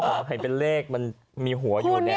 เขาขอแข่งเป็นเลขมันมีหัวอยู่เนี่ย